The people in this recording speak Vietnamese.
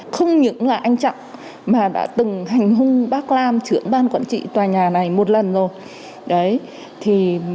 không những là anh trọng mà đã từng hành hung bác lam trưởng ban quản trị tòa nhà này một lần rồi